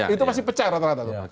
itu masih pecah rata rata tuh